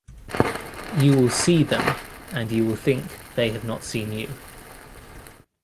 You will see them and you will think they have not seen you.